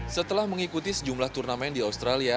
setelah mengikuti sejumlah turnamen di australia